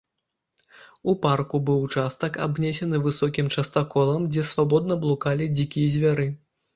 У парку быў участак, абнесены высокім частаколам, дзе свабодна блукалі дзікія звяры.